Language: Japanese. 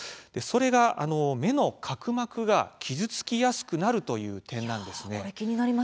それが目の角膜が傷つきやすくなるという点なんです。